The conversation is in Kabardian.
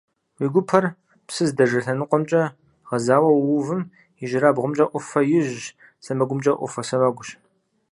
Уи гупэр псыр здэжэ лъэныкъуэмкӀэ гъэзауэ уувым ижьырабгъумкӀэ Ӏуфэ ижъщ, сэмэгумкӀэ Ӏуфэ сэмэгущ.